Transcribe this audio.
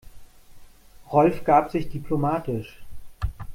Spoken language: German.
Rolf gab sich diplomatisch.